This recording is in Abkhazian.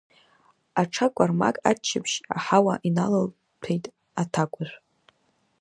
Аҽа кәармак аччаԥшь аҳауа иналалҭәеит Аҭакәажә.